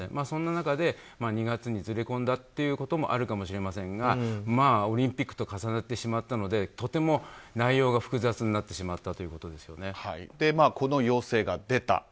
そんな中で２月にずれ込んだということもあるかもしれませんがオリンピックと重なってしまったのでとても内容が複雑にこの陽性が出た。